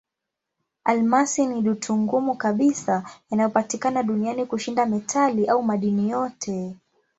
Almasi ni dutu ngumu kabisa inayopatikana duniani kushinda metali au madini yote.